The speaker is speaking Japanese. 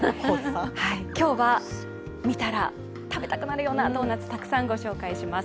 今日は見たら食べたくなるようなドーナツ、たくさんご紹介します。